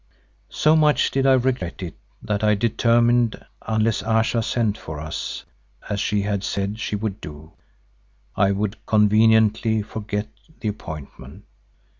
So much did I regret it that I determined, unless Ayesha sent for us, as she had said she would do, I would conveniently forget the appointment.